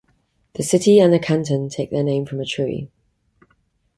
The city and the canton take their name from a tree.